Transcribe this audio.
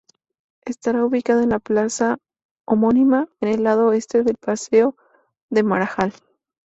Estará ubicada en la plaza homónima, en el lado oeste del paseo de Maragall.